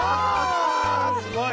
すごい！